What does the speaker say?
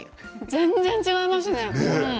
全然違いますね。